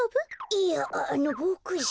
いやあのボクじゃ。